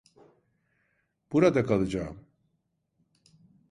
Burada kalacağım.